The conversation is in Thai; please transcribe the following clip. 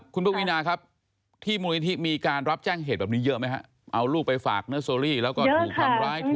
คุณปวีนาครับที่มูลนิธิมีการรับแจ้งเหตุแบบนี้เยอะไหมฮะเอาลูกไปฝากเนอร์โซลี่แล้วก็ถูกทำร้ายถูก